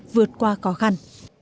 vượt qua khó khăn